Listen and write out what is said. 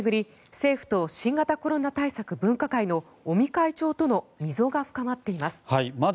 政府と新型コロナ対策分科会の尾身会長との溝が深まっています。